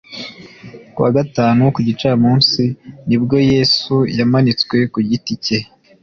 ku wa gatanu ku gicamunsi ni bwo yesu yamanitswe ku giti cye